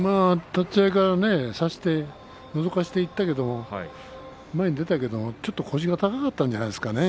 立ち合いから差してのぞかせていったけど前に出たけど、ちょっと腰が高かったんじゃないですかね。